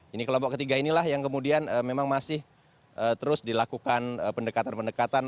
ini kelompok ketiga inilah yang kemudian memang masih terus dilakukan pendekatan pendekatan